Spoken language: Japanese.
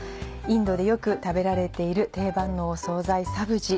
インドでよく食べられている定番の総菜サブジ。